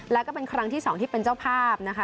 แล้วก็เป็นครั้งที่๒ที่เป็นเจ้าภาพนะคะ